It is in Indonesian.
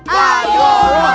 aduh aduh aduh